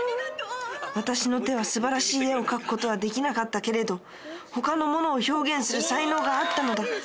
私の手はすばらしい絵を描く事はできなかったけれど他のものを表現する才能があったのだ。